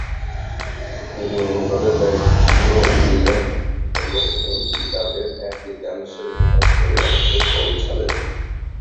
তিনি অনুবাদের দায়িত্ব নিলেন এবং মূল কিতাবের এক তৃতীয়াংশের অনুবাদ করে আমাকে পৌঁছালেন।